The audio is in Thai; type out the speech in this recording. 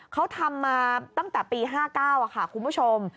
เขาทำมาตั้งแต่ปี๕๙ค่ะคุณผู้ชม